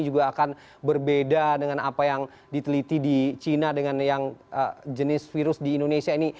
juga akan berbeda dengan apa yang diteliti di china dengan yang jenis virus di indonesia ini